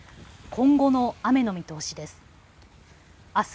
今後の雨の見通しです。